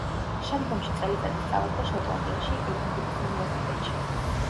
შემდგომში წელიწადი სწავლობდა შოტლანდიაში, ედინბურგის უნივერსიტეტში.